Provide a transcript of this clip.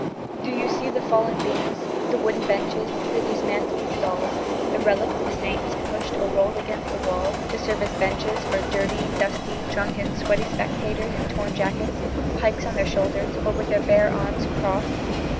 Do you see the fallen beams, the wooden benches, the dismantled stalls, the relics of saints pushed or rolled against the walls to serve as benches for "dirty, dusty, drunken, sweaty spectators in torn jackets, pikes on their shoulders, or with their bare arms crossed"?